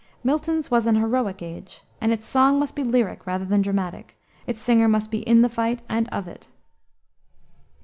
Milton's was an heroic age, and its song must be lyric rather than dramatic; its singer must be in the fight and of it.